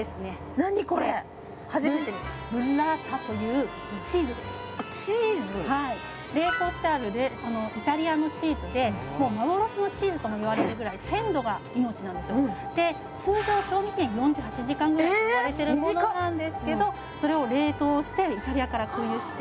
何これ初めて見たブッラータというチーズですあっチーズ冷凍してあるイタリアのチーズでもう幻のチーズともいわれてるぐらい鮮度が命なんですよで通常賞味期限４８時間ぐらいといわれてるものなんですけどそれを冷凍してイタリアから空輸して